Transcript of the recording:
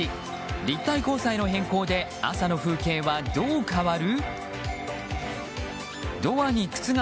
立体交差への変更で朝の風景はどう変わる？